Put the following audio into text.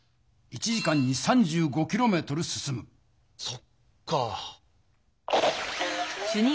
そっか。